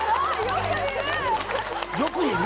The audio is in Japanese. よく見る！